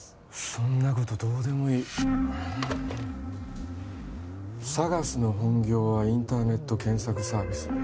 そんなことどうでもいいＳＡＧＡＳの本業はインターネット検索サービス